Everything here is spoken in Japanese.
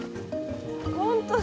本当だ。